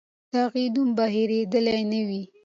د هغې نوم به هېرېدلی نه وي.